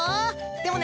でもね。